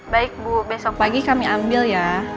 baik bu besok pagi kami ambil ya